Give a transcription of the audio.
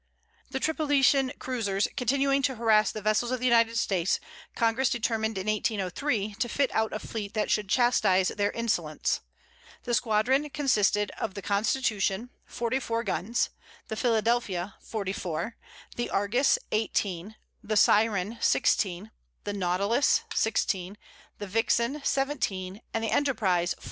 The Tripolitan cruisers continuing to harass the vessels of the United States, Congress determined in 1803, to fit out a fleet that should chastise their insolence. The squadron consisted of the Constitution, 44 guns; the Philadelphia, 44; the Argus, 18; the Siren, 16; the Nautilus, 16; the Vixen, 16; and the Enterprize, 14.